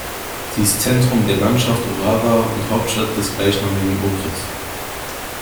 Sie ist Zentrum der Landschaft Orava und Hauptstadt des gleichnamigen Okres.